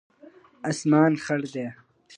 اسمان خړ دی